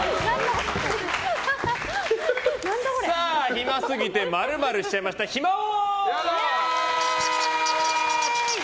暇すぎて○○しちゃいました暇王。